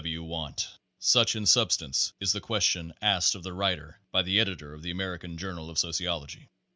W. W. want?" Such, in substance, is the question asked of the writer by the editor of the American Journal of Sociology.